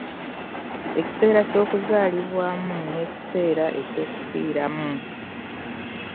Ekiseera eky'okuzaalirwamu, n'ekiseera eky'okufiiramu